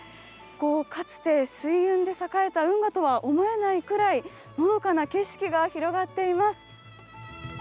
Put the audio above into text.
かつて水運で栄えた運河とは思えないくらいのどかな景色が広がっています。